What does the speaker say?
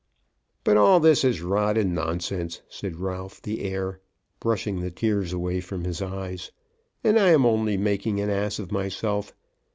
"But all this is rot and nonsense," said Ralph the heir, brushing the tears away from his eyes, "and I am only making an ass of myself.